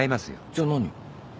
じゃあ何。